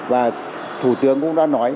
và thủ tướng cũng đã nói